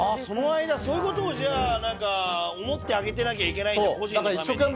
その間そういうことを思ってあげてなきゃいけないんだ。